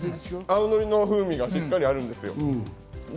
青のりの風味がしっかりあるんですよ。